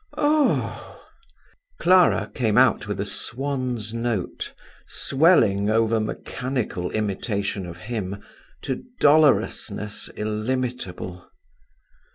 "Oh!" Clara came out with a swan's note swelling over mechanical imitation of him to dolorousness illimitable.